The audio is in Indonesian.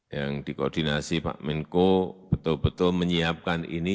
yang dikoordinasi pak menko betul betul menyiapkan ini